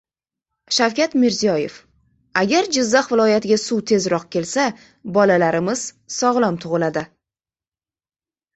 Shavkat Mirziyoyev: "Agar Jizzax viloyatiga suv tezroq kelsa, bolalarimiz sog‘lom tug‘iladi"